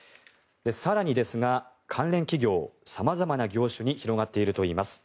更にですが関連企業様々な業種に広がっているといいます。